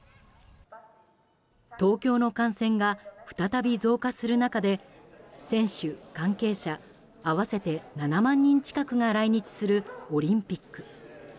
東京の感染が再び増加する中で選手、関係者合わせて７万人近くが来日するオリンピック。